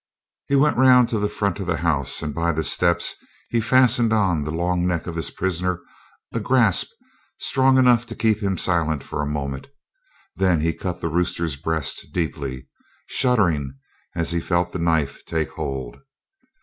He went around to the front of the house and by the steps he fastened on the long neck of his prisoner a grasp strong enough to keep him silent for a moment. Then he cut the rooster's breast deeply, shuddering as he felt the knife take hold.